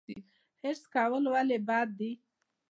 حرص کول ولې بد دي؟